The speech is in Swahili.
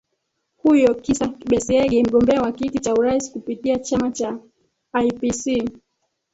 huyo ni kisa besiege mgombea wa kiti cha urais kupitia chama cha ipc